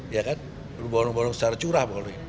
ya kan diborong borong secara curah